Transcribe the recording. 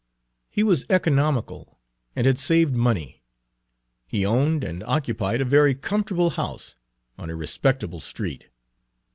He was economical, and had saved money; he owned and occupied a very comfortable house on a respectable street.